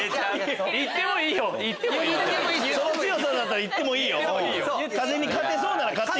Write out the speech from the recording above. その強さだったら言ってもいいよ。